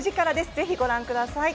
ぜひご覧ください。